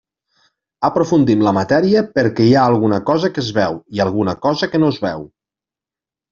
Aprofundim la matèria, perquè hi ha alguna cosa que es veu i alguna cosa que no es veu.